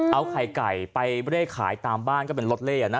เอาไข่ไก่ไปเร่ขายตามบ้านก็เป็นรถเล่นะ